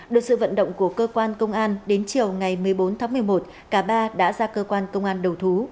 được sự vận động của cơ quan công an đến chiều ngày một mươi bốn tháng một mươi một cả ba đã ra cơ quan công an đầu thú